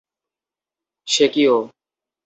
সে কি ও?